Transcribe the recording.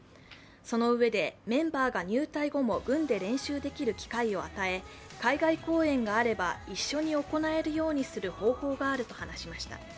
そのうえで、メンバーが入隊後も軍で練習できる機会を与え海外公演があれば、一緒に行えるようにする方法があると話しました。